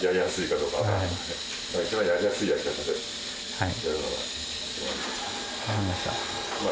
はい。